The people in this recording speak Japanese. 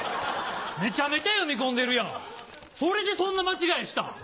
めちゃめちゃ読み込んでるやんそれでそんな間違いしたん？